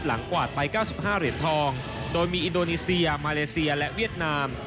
กวาดไป๙๕เหรียญทองโดยมีอินโดนีเซียมาเลเซียและเวียดนาม